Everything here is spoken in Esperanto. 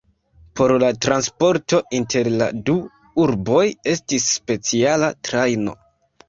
Por la transporto inter la du urboj estis speciala trajno.